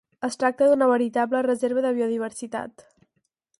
Es tracta d'una veritable reserva de biodiversitat.